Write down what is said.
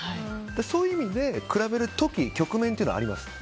そういう意味で比べる時、局面はあります。